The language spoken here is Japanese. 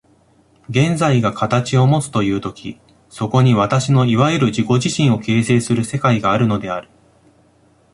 現在が形をもつという時、そこに私のいわゆる自己自身を形成する世界があるのである。